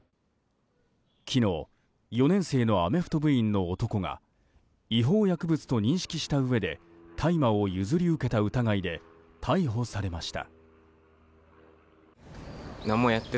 昨日、４年生のアメフト部員の男が違法薬物と認識したうえで大麻を譲り受けた疑いで逮捕されました。